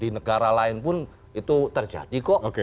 di negara lain pun itu terjadi kok